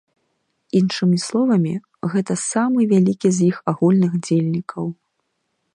Іншымі словамі, гэта самы вялікі з іх агульных дзельнікаў.